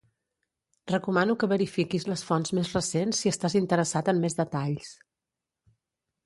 Recomano que verifiquis les fonts més recents si estàs interessat en més detalls